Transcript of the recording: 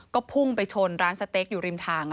ก็พุ่งไปชนร้านสเต็กอยู่ริมทาง